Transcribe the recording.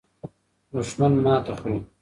دښمن ماته خوري.